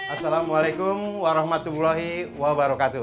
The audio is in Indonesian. assalamualaikum warahmatullahi wabarakatuh